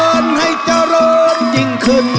ขอเชิญให้จะเริ่มจริงขึ้น